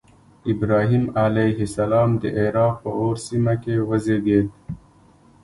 ابراهیم علیه السلام د عراق په أور سیمه کې وزیږېد.